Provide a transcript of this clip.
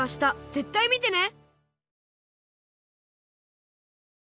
ぜったいみてね！